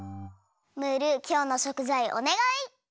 ムールきょうのしょくざいおねがい！